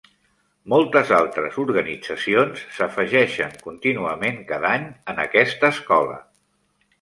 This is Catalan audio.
Moltes altres organitzacions s'afegeixen contínuament cada any en aquesta escola.